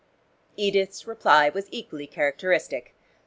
Edith's reply was equally characteristic.